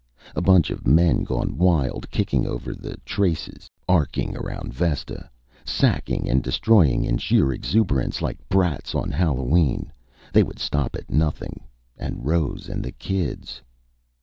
A bunch of men gone wild, kicking over the traces, arcing around Vesta, sacking and destroying in sheer exuberance, like brats on Hallowe'en. They would stop at nothing. And Rose and the kids....